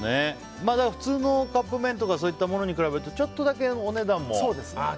普通のカップ麺とかそういうものに比べてちょっとだけお値段もね。